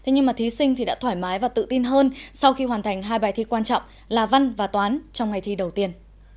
nhưng thí sinh đã thoải mái và tự tin hơn sau khi hoàn thành hai bài thi quan trọng là văn và toán trong ngày thi đầu tiên